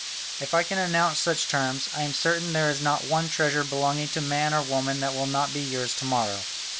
If I can announce such terms, I am certain there is not one treasure belonging to man or woman that will not be yours to morrow.